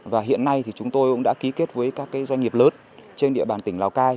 và hiện nay thì chúng tôi cũng đã ký kết với các doanh nghiệp lớn trên địa bàn tỉnh lào cai